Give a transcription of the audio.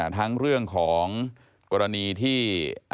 ทั้งเรื่องของกรณีที่